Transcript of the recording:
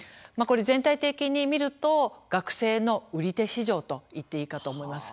全体的に見ると学生の売手市場と言っていいかと思います。